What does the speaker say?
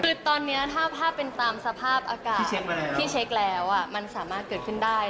คือตอนนี้ถ้าภาพเป็นตามสภาพอากาศที่เช็คแล้วมันสามารถเกิดขึ้นได้